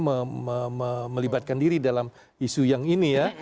kemudian melibatkan diri dalam isu yang ini ya